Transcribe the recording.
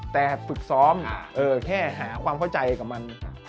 แต่ฝึกซ้อมแค่หาความเข้าใจกับมัน